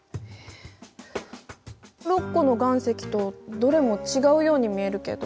６個の岩石とどれも違うように見えるけど。